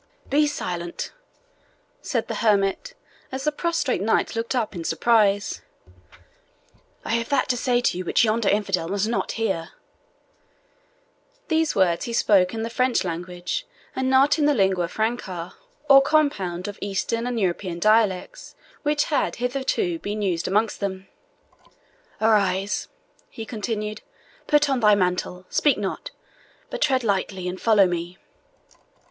"Be silent," said the hermit, as the prostrate knight looked up in surprise; "I have that to say to you which yonder infidel must not hear." These words he spoke in the French language, and not in the lingua franca, or compound of Eastern and European dialects, which had hitherto been used amongst them. "Arise," he continued, "put on thy mantle; speak not, but tread lightly, and follow me."